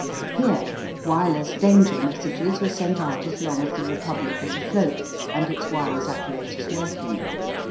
Here wireless danger messages were sent out as long as the Republic was afloat and its wireless apparatus working.